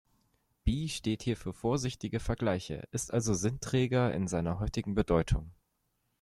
比 steht hier für vorsichtige Vergleiche, ist also Sinnträger in seiner heutigen Bedeutung.